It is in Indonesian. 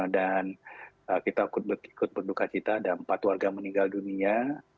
dan kita ikut berduka cita ada empat warga meninggal dunia